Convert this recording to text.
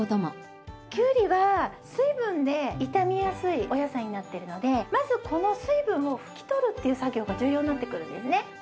キュウリは水分で傷みやすいお野菜になっているのでまずこの水分を拭き取るっていう作業が重要になってくるんですね。